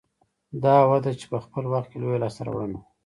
دا وده چې په خپل وخت کې لویه لاسته راوړنه وه